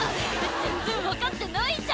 全然分かってないじゃん」